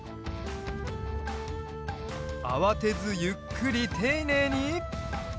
あわてずゆっくりていねいに。